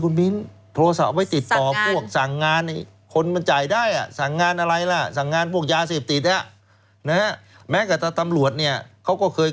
นี่คือเอาเข้าไปเพื่อพกยาวเลยเหรอคะ